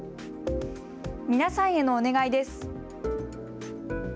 皆さんへのお願いです。